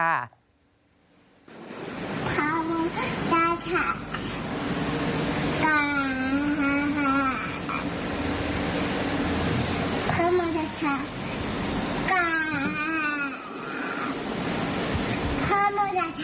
กาบพระมจักรกาบ